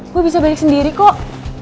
gue bisa balik sendiri kok